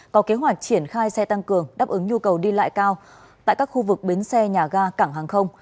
có kế hoạch triển khai xe tăng cường đáp ứng nhu cầu đi lại cao tại các khu vực bến xe nhà ga cảng hàng không